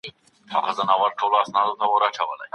اوس کولی شي له نورو سره مرسته وکړي.